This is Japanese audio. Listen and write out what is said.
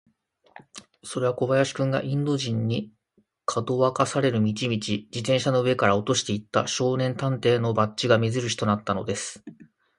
それは小林君が、インド人に、かどわかされる道々、自動車の上から落としていった、少年探偵団のバッジが目じるしとなったのです。